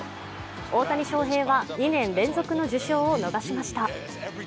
大谷翔平は２年連続の受賞を逃しました。